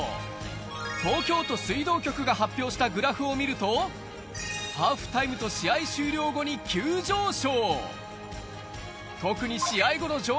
東京都水道局が発表したグラフを見ると、ハーフタイムと試合終了後に急上昇。